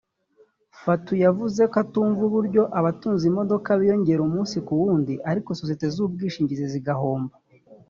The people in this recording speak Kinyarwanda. Fatou yavuze ko atumva uburyo abatunze imodoka biyongera umunsi ku wundi ariko sosiyete z’ubwishingizi zo zigahomba